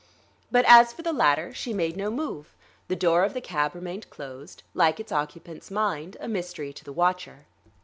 But as for the latter, she made no move; the door of the cab remained closed, like its occupant's mind, a mystery to the watcher.